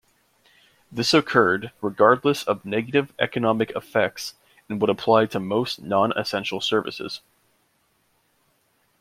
This occurred regardless of negative economic effects and would apply to most non-essential services.